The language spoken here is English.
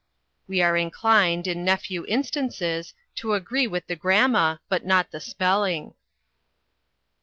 We are inclined, in nephew instances, to agree with the gramma, but not the spelling.